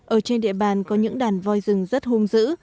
ở trên địa bàn có những đàn voi rừng rất hung dữ